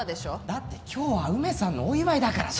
だって今日は梅さんのお祝いだから。